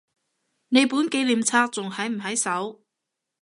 你本紀念冊仲喺唔喺手？